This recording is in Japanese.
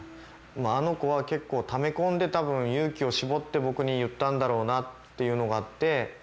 あの子は結構ため込んでた分勇気を絞って僕に言ったんだろうなっていうのがあって。